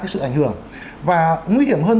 sự ảnh hưởng và nguy hiểm hơn